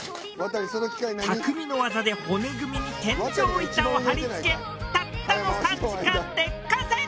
匠の技で骨組みに天井板を張り付けたったの３時間で完成！